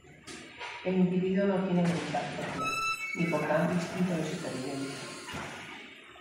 El individuo no tiene voluntad propia, ni por tanto instinto de supervivencia.